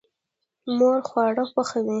مور خواړه پخوي.